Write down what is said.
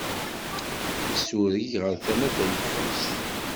Isureg ɣer tama tayeffust.